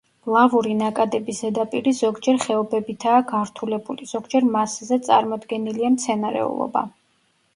ლავური ნაკადების ზედაპირი ზოგჯერ ხეობებითაა გართულებული, ზოგჯერ მასზე წარმოდგენილია მცენარეულობა.